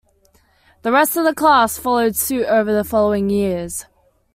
The rest of the class followed suit over the following years.